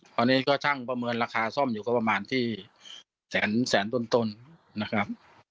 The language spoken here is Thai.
ตอนนี้ก็ช่างประเมินราคาซ่อมอยู่ก็ประมาณที่แสนต้นนะครับ